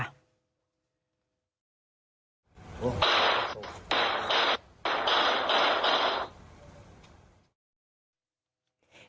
โอ้โห